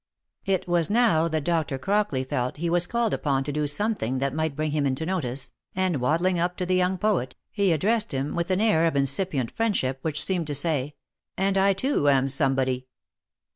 It was now that Dr. Crockley felt he was called upon to do something that might bring him into notice, and waddling up to the young poet, he addressed him with an air of incipient friend ship, which seemed to say, i( And I too am somebody."